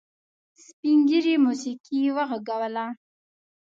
سپین ږيري موسيقي وغږوله.